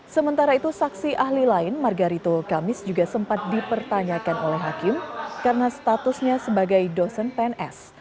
sementara itu saksi ahli lain margarito kamis juga sempat dipertanyakan oleh hakim karena statusnya sebagai dosen pns